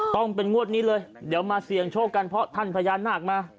ต้องเป็นงวดนี้เลยเดี๋ยวมาเสี่ยงโชคกันเพราะท่านพญานาคมา